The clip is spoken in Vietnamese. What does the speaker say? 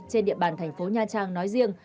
trên địa bàn thành phố nha trang nói riêng